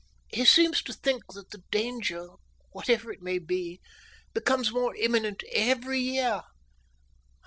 He seems to think that the danger whatever it may be becomes more imminent every year.